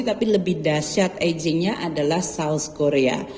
tapi lebih dasyat agingnya adalah south korea